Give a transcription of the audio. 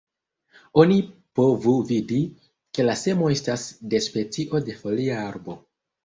Oni povu vidi, ke la semo estas de specio de folia arbo.